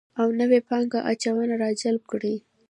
او نوې پانګه اچونه راجلب کړي